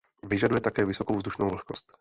Vyžaduje také vysokou vzdušnou vlhkost.